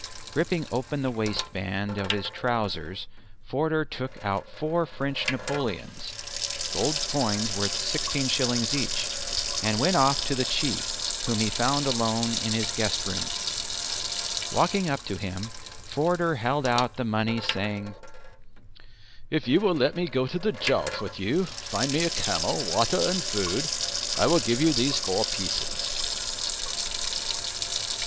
Ripping open the waistband of his trousers, Forder took out four French Napoleons (gold coins worth 16s. each) and went off to the Chief, whom he found alone in his guest room. Walking up to him Forder held out the money saying, "If you will let me go to the Jowf with you, find me camel, water and food, I will give you these four pieces."